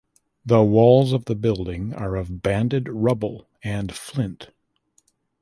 The walls of the building are of banded rubble and flint.